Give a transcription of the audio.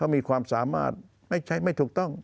มีความสามารถไม่ใช้ไม่ถูกต้อง